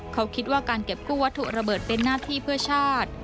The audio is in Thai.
เขาคิดว่าการเก็บกู้วัตถุระเบิดเป็นหน้าที่เพื่อชาติ